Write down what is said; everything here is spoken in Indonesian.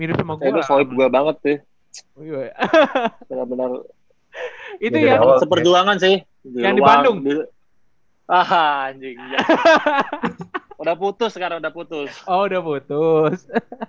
udah putus putus udah putus